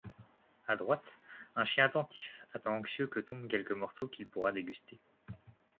À droite, un chien attentif attend anxieux que tombe quelque morceau qu'il pourra déguster.